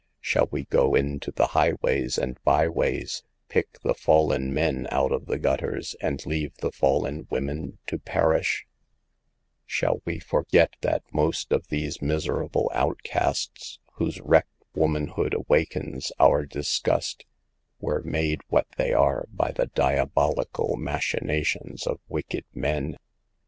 Shall we go into the highways and byways, pick the fallen men out of the gutters and leave the fallen women to perish ? Shall we forget that most of these miserable outcasts, R ii* 258 SAVE THE GIELS. whose wrecked womanhood awakens our dis gust, were made what they are by the diabol ical machinations of wicked men